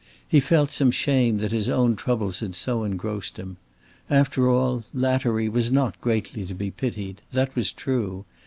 He felt some shame that his own troubles had so engrossed him. After all, Lattery was not greatly to be pitied. That was true.